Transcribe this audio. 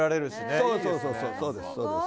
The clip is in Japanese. そうそうそうそうそうです。